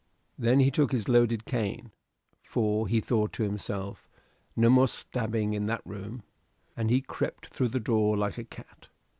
Then he took his loaded cane; for he thought to himself, "No more stabbing in that room," and he crept through the door like a cat.